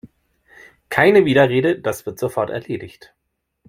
Keine Widerrede, das wird sofort erledigt!